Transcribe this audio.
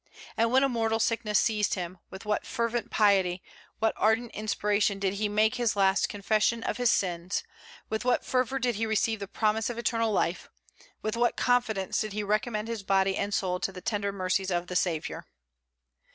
And when a mortal sickness seized him, with what fervent piety, what ardent inspiration did he make his last confession of his sins; with what fervor did he receive the promise of eternal life; with what confidence did he recommend his body and soul to the tender mercies of the Saviour!"